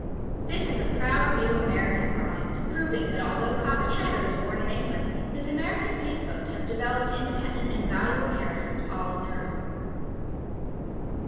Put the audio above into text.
This is a proud new American product, proving that although Papa Cheddar was born in England his American kinfolk have developed independent and valuable characters all on their own.